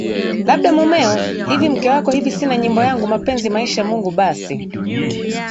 labda mumeo hivi mke wako hivi sina Nyimbo yangu mapenzi maisha Mungu basi